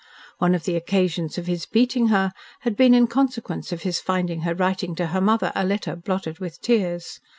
One of the occasions of his beating her had been in consequence of his finding her writing to her mother a letter blotted with tears.